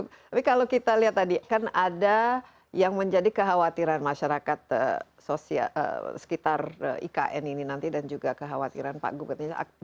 tapi kalau kita lihat tadi kan ada yang menjadi kekhawatiran masyarakat sekitar ikn ini nanti dan juga kekhawatiran pak gubernur